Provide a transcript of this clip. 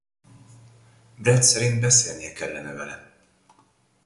Brad szerint beszélnie kellene vele.